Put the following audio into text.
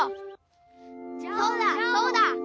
そうだそうだ！